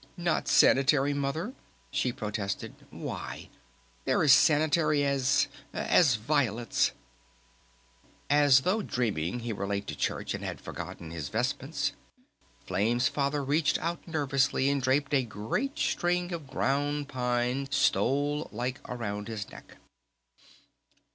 "Not sanitary, Mother?" she protested. "Why, they're as sanitary as as violets!" As though dreaming he were late to church and had forgotten his vestments, Flame's Father reached out nervously and draped a great string of ground pine stole like about his neck.